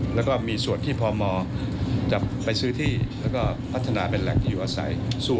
และมีส่วนที่พอมอจะไปซื้อที่และพัฒนาเป็นแหลกที่อยู่อาศัย